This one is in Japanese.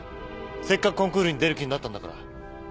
せっかくコンクールに出る気になったんだから！